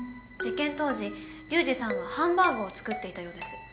事件当時リュウジさんはハンバーグを作っていたようです。